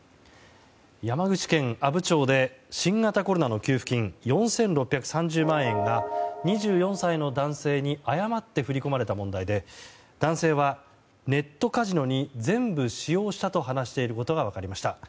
山口県阿武町で新型コロナの給付金４６３０万円が２４歳の男性に誤って振り込まれた問題で男性はネットカジノに全部使用したと話していることが分かりました。